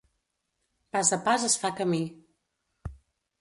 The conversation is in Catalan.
Pas a pas es fa camí.